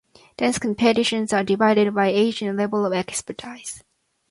Dance competitions are divided by age and level of expertise.